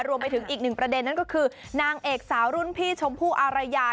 รวมไปถึงอีกหนึ่งประเด็นนั่นก็คือนางเอกสาวรุ่นพี่ชมพู่อารยา